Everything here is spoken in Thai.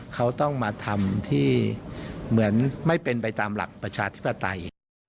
เขาต้องมาทำที่เหมือนไม่เป็นไปตามหลักประชาธิปไตย